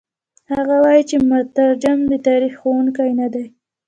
هغه وايي چې مترجم د تاریخ ښوونکی نه دی.